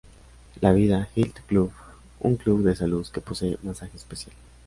La Vida Health Club: Un club de salud, que posee masaje especial.